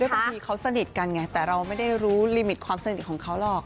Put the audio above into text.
บางทีเขาสนิทกันไงแต่เราไม่ได้รู้ลิมิตความสนิทของเขาหรอก